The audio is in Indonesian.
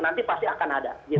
nanti pasti akan ada